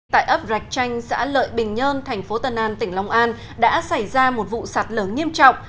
tại ấp rạch chanh xã lợi bình nhơn thành phố tân an tỉnh long an đã xảy ra một vụ sạt lở nghiêm trọng